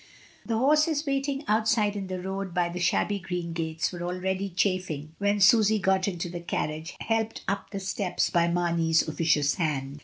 The horses waiting outside in the road by tlie shabby green gates were already chafing when Susy got into the carriage, helped up the steps by Mamey's officious hand.